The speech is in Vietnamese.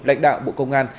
lãnh đạo bộ công an